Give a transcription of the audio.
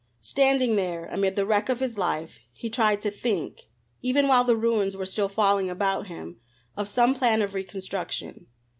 Standing there amid the wreck of his life, he tried to think, even while the ruins were still falling about him, of some plan of reconstruction.